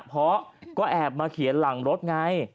เพราะก็แอบมาเขียนหลังรถไง